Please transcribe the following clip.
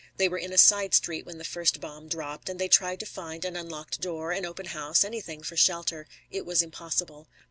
They were in a side street when the first bomb dropped, and they tried to find an unlocked door, an open house, anything for shelter. It was impossible.